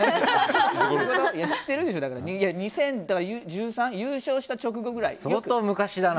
知ってるでしょ、２０１３優勝した直後ぐらい。